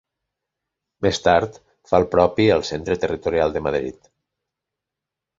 Més tard fa el propi al Centre Territorial de Madrid.